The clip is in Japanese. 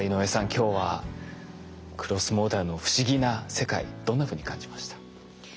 今日はクロスモーダルの不思議な世界どんなふうに感じました？